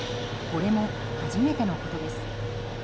これも初めてのことです。